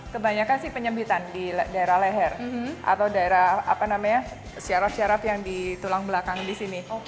kebanyakan penyembitan di daerah leher atau daerah syaraf syaraf yang di tulang belakang di sini